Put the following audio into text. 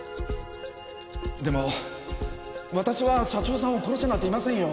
でも私は社長さんを殺してなんていませんよ。